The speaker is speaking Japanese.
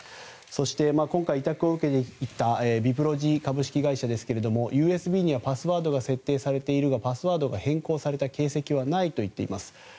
そして、今回委託を受けていたＢＩＰＲＯＧＹ株式会社ですがＵＳＢにはパスワードが設定されているがパスワードが変更された形跡はないといっています。